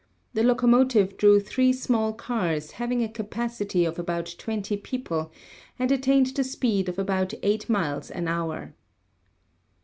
The locomotive drew three small cars having a capacity of about 20 people and attained the speed of about eight miles an hour.